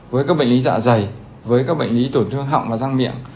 với các bệnh lý dạ dày với các bệnh lý tổn thương họng và răng miệng